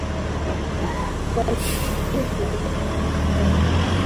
joe yishimiye igitekerezo cyo kujya i new york